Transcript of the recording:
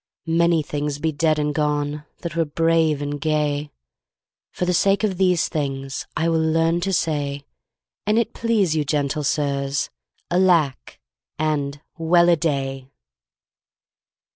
Many things be dead and gone That were brave and gay; For the sake of these things I will learn to say, "An it please you, gentle sirs," "Alack!" and "Well a day!"